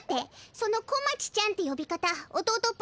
その「小町ちゃん」ってよび方弟っぽくない。